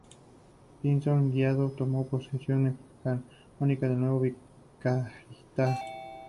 Pinzón Guiza tomó posesión canónica del nuevo vicariato.